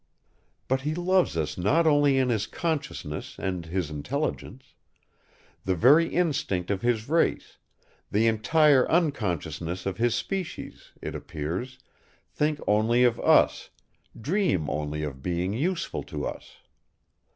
But he loves us not only in his consciousness and his intelligence: the very instinct of his race, the entire unconsciousness of his species, it appears, think only of us, dream only of being useful to us.